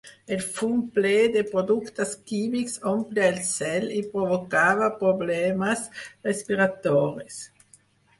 El fum ple de productes químics omplia el cel i provocava problemes respiratoris.